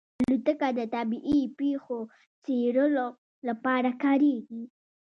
الوتکه د طبیعي پېښو څېړلو لپاره کارېږي.